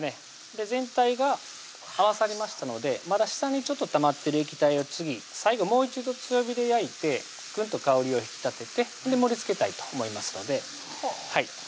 全体が合わさりましたのでまだ下にちょっとたまってる液体を最後もう一度強火で焼いてぐんと香りを引き立てて盛りつけたいと思いますのでほう